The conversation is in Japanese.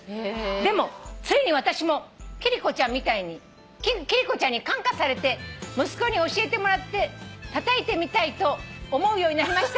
でもついに私も貴理子ちゃんに感化されて息子に教えてもらってたたいてみたいと思うようになりました」